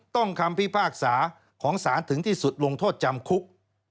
คำพิพากษาของสารถึงที่สุดลงโทษจำคุก